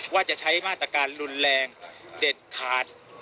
ว่าจะใช้มาตรการรุนแรงเด็ดขาด